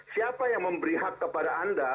siapa yang memberi hak kepada anda